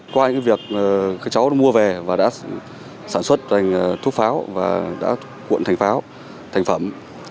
qua việc các cháu mua về và đã sản xuất thành thuốc pháo và đã cuộn thành pháo thành phẩm